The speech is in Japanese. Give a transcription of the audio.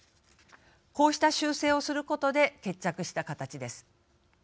こうした修正をすることで決着した形です。